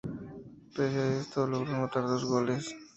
Pese a esto, logró anotar dos goles.